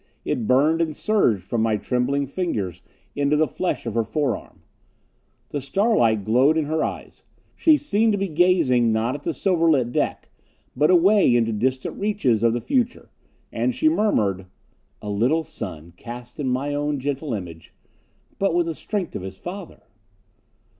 It burned and surged from my trembling fingers into the flesh of her forearm. The starlight glowed in her eyes. She seemed to be gazing, not at the silver lit deck, but away into distant reaches of the future. And she murmured: "A little son, cast in my own gentle image. But with the strength of his father...."